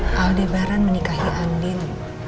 haldebaran menikahi andin